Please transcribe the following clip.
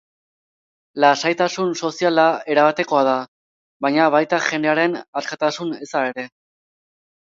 Lasaitasun soziala erabatekoa da, baina baita jendearen askatasun eza ere.